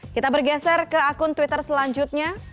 kita bergeser ke akun twitter selanjutnya